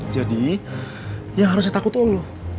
jadi yang harus saya takut tuh lo